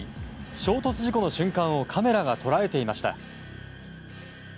衝突事故の瞬間をカメラが捉えていました。